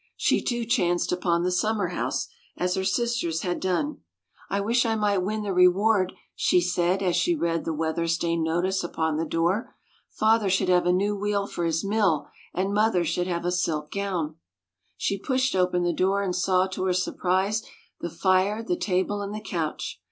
She, too, chanced upon the summer house, as her sisters had done. " I wish I might win the reward," she said, as she read the weather stained notice upon the door. " Father should have a new wheel for his mill, and mother should have a silk gown." [ 76 ] THE MILLER* S DAUGHTER She pushed open the door, and saw to her surprise the fire, the table, and the couch.